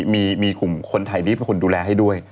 มีกลุ่มคนไทยที่เป็นคนดูแลให้ด้วย